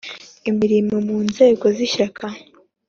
Imirimo mu nzego z ishyaka